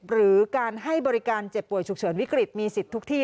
หรือการให้บริการเจ็บป่วยฉุกเฉินวิกฤตมีสิทธิ์ทุกที่